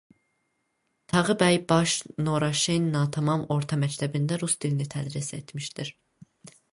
Tağı bəy Baş Noraşen natamam orta məktəbində rus dilini tədris etmişdir.